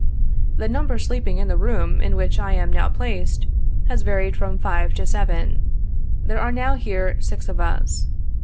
The number sleeping in the room in which I am now placed, has varied from five to seven. There are now here, six of us.